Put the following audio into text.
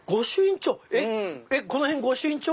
この辺御朱印帳？